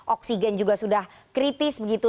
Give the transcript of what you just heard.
oksigen juga sudah kritis begitu